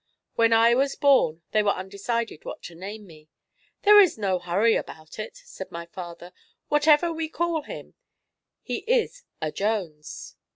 When I was born they were undecided what to name me. 'There is no hurry about it,' said my father; 'whatever we call him, he is a Jones.'